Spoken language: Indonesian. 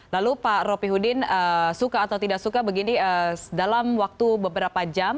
lalu pak ropihudin suka atau tidak suka begini dalam waktu beberapa jam